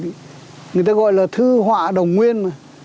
rồi người ta gọi là thư họa đồng nguyên